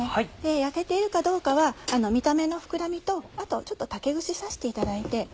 焼けているかどうかは見た目の膨らみとあとちょっと竹串刺していただいて。